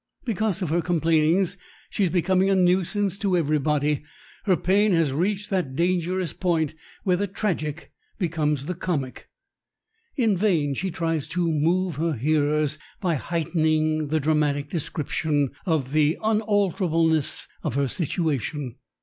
Because of her complainings she is becoming a nuisance to everybody. Her pain has reached that dangerous point where the tragic becomes the comic. In vain she tries to move her hearers by heightening the dramatic description of the unalterableness of her situation.